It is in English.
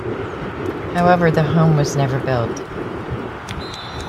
However, the home was never built.